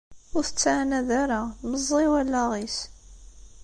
Ur t-ttɛanad ara meẓẓi wallaɣ-is.